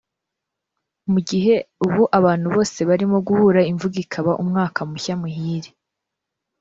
Mu gihe ubu abantu bose barimo guhura imvugo ikaba umwaka mushya muhire